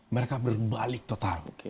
mereka berbalik total